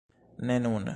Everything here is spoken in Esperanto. Ne nun.